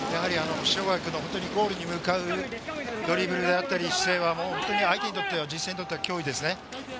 塩貝君のゴールに向かうドリブルであったり姿勢は、本当に相手にとっては脅威ですね。